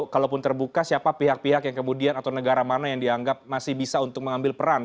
kalaupun terbuka siapa pihak pihak yang kemudian atau negara mana yang dianggap masih bisa untuk mengambil peran